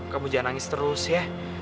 kamu jangan nangis terus ya